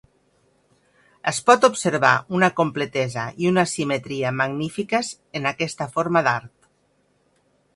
Es pot observar una completesa i una simetria magnífiques en aquesta forma d'art.